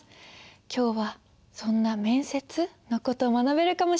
今日はそんな面接の事を学べるかもしれません。